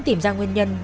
tìm ra nguyên nhân